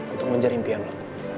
untuk mencari impian lo